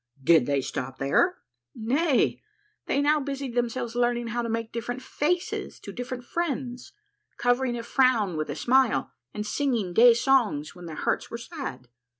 Did they stop here ?" Nay, they now busied themselves learning how to make dif ferent faces to different friends, covering a frown with a smile, and singing gay songs when their hearts were sad.